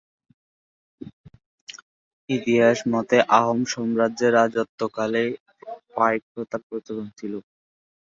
ইতিহাস মতে আহোম সাম্রাজ্যের রাজত্ব কালে পাইক প্রথার প্রচলন ছিল।